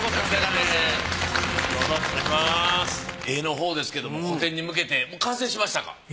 絵のほうですけれども個展に向けて完成しましたか？